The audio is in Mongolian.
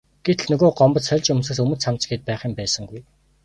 Гэтэл нөгөө Гомбод сольж өмсөх өмд цамц гээд байх юм байсангүй.